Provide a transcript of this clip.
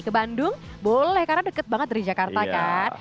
ke bandung boleh karena deket banget dari jakarta kan